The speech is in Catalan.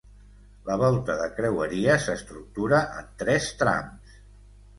La volta de creueria s'estructura en tres trams.